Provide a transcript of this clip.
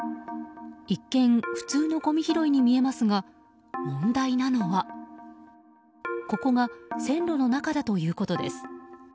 一見普通のごみ拾いに見えますが問題なのはここが線路の中だということです。